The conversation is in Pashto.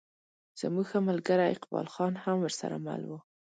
زموږ ښه ملګری اقبال خان هم ورسره مل و.